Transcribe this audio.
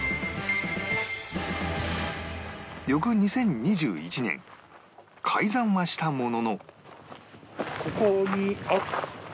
翌２０２１年開山はしたものの